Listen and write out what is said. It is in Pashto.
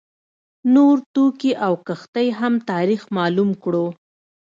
نور توکي او کښتۍ هم تاریخ معلوم کړو.